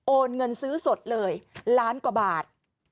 เงินซื้อสดเลยล้านกว่าบาท